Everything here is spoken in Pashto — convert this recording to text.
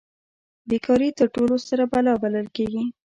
بې کاري تر ټولو ستره بلا بلل کیږي.